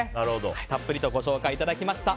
たっぷりとご紹介いただきました。